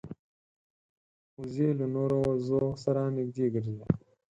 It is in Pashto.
وزې له نورو وزو سره نږدې ګرځي